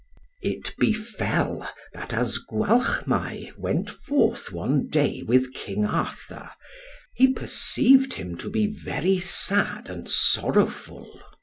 It befell that as Gwalchmai went forth one day with King Arthur, he perceived him to be very sad and sorrowful.